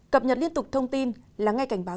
cập nhật liên tục thông tin là ngay cảnh báo